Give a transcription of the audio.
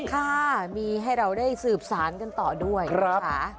ค่ะมีให้เราได้สืบสารกันต่อด้วยค่ะ